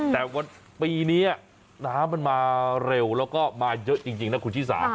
แต่วันปีนี้น้ำมันมาเร็วแล้วก็มาเยอะจริงนะคุณชิสา